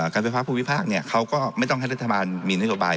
การไฟฟ้าภูมิภาคเขาก็ไม่ต้องให้รัฐบาลมีนโยบาย